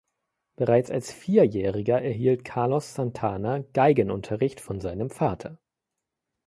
Bereits als Vierjähriger erhielt Carlos Santana Geigenunterricht von seinem Vater.